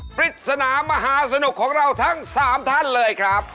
ปริศนามหาสนุกของเราทั้ง๓ท่านเลยครับ